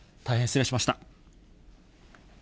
大変失礼しました。